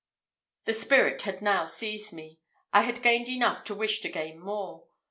The spirit had now seized me; I had gained enough to wish to gain more.